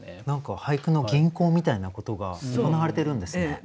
何か俳句の吟行みたいなことが行われてるんですね。